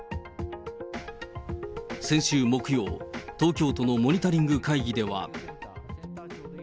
先週木曜、東京都のモニタリング会議では。